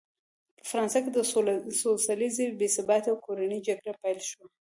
په فرانسه کې څو لسیزې بې ثباتي او کورنۍ جګړه پیل شوه.